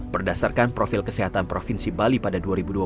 berdasarkan profil kesehatan provinsi bali pada dua ribu dua puluh